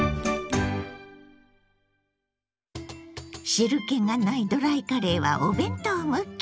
汁けがないドライカレーはお弁当向き。